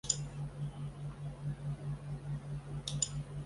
科罗拉多镇区为美国堪萨斯州林肯县辖下的镇区。